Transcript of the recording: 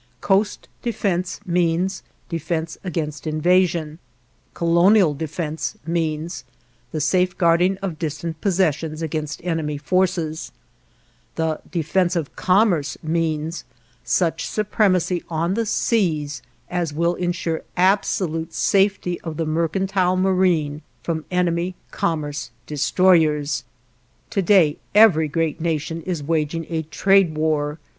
"Coast defense" means defense against invasion; "colonial defense" means the safeguarding of distant possessions against enemy forces; the "defense of commerce" means such supremacy on the seas as will insure absolute safety of the mercantile marine from enemy commerce destroyers. To day every great nation is waging a trade war.